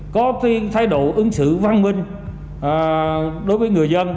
có thái độ ứng xử văn minh đối với người dân